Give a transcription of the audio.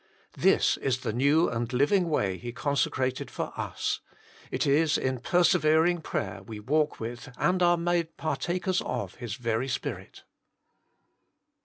This is the new and living way He consecrated for us ; it is in persevering prayer we walk with and are made partakers of His very Spirit.